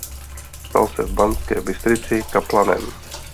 Stal se v Banské Bystrici kaplanem.